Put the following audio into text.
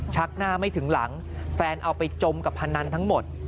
หน้าไม่ถึงหลังแฟนเอาไปจมกับพนันทั้งหมด